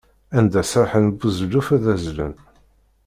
Anda sraḥen buzelluf ad azzlen.